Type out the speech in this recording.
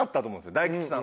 大吉さん。